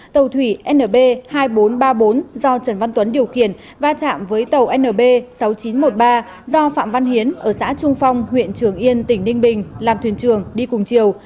tàu thủy nb hai nghìn bốn trăm ba mươi bốn do trần văn tuấn điều khiển va chạm với tàu nb sáu nghìn chín trăm một mươi ba do phạm văn hiến ở xã trung phong huyện trường yên tỉnh ninh bình làm thuyền trường đi cùng chiều